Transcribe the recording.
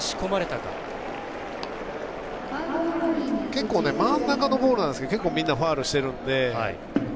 結構、真ん中のボールなんですけどみんなファウルしてるんで。